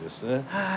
はい。